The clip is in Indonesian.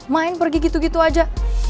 main pergi gitu gitu aja